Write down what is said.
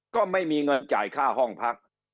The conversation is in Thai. ก็ไม่มีเงินจ่ายค่าห้องพัก